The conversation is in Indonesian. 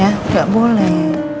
ya gak boleh